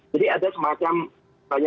jadi ada semacam simulacra